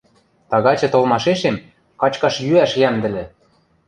— Тагачы толмашешем качкаш-йӱӓш йӓмдӹлӹ!